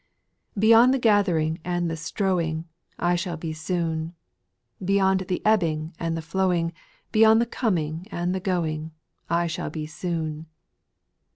Beyond the gathering and the strowing, I shall be soon ; Beyond the ebbing and the flowing, Beyond the coming and the going, I shall be soon.